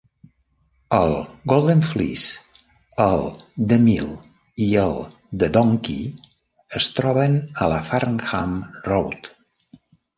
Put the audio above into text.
El "Golden Fleece", el "The Mill" i el "The Donkey" es troben a la Farnham Road.